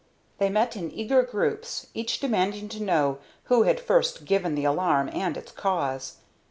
They met in eager groups, each demanding to know who had first given the alarm and its cause.